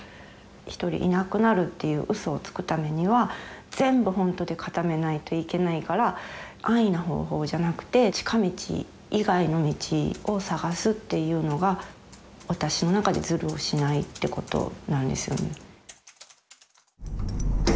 一人いなくなるっていううそをつくためには全部本当でかためないといけないから安易な方法じゃなくて近道以外の道を探すっていうのが私の中でズルをしないってことなんですよね。